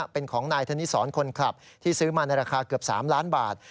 เป็นของนายธนิสรคนขับที่ซื้อมาในราคาเกือบ๓ล้านบาท